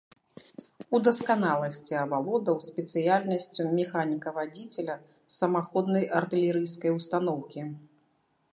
У дасканаласці авалодаў спецыяльнасцю механіка-вадзіцеля самаходнай артылерыйскай устаноўкі.